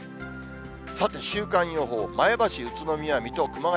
さて、週間予報、前橋、宇都宮、水戸、熊谷。